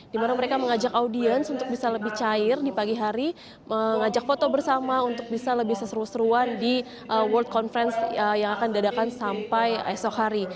dimana mereka mengajak audiens untuk bisa lebih cair di pagi hari mengajak foto bersama untuk bisa lebih seseru seruan di world conference yang akan diadakan sampai esok hari